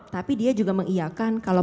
tapi dia juga mengiakan kalau